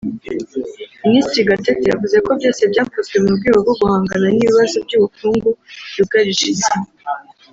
Minisitiri Gatete yavuze ko byose byakozwe mu rwego rwo guhangana n’ibibazo by’ubukungu byugarije isi